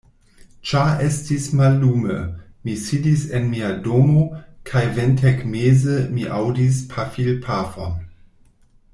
Ĉar estis mallume, mi sidis en mia domo, kaj ventegmeze mi aŭdis pafilpafon.